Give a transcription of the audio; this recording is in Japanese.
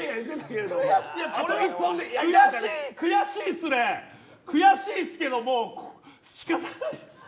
悔しいっすね、悔しいっすけど仕方ないっす。